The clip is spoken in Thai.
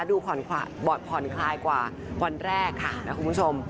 ดูผ่อนคลายกว่าวันแรกค่ะนะคุณผู้ชม